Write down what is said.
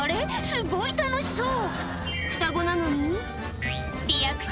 すごい楽しそうおい